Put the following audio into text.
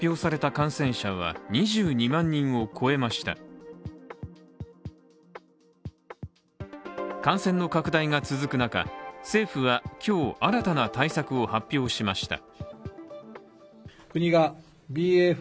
感染の拡大が続く中、政府は今日新たな対策を発表しました。